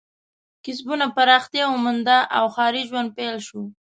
کسبونه پراختیا ومونده او ښاري ژوند پیل شو.